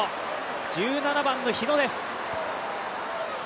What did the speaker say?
１７番の日野です。